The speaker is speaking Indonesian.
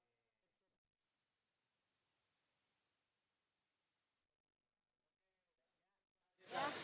ketik sekara kunjung yang ditutup moment kita